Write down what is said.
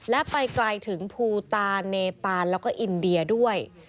และไปไกลถึงภูตาเนปานแล้วก็อินเดียด้วย